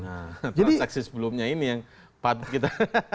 nah transaksi sebelumnya ini yang patut kita